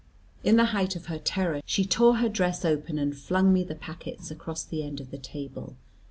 In the height of her terror, she tore her dress open and flung me the packets across the end of the table.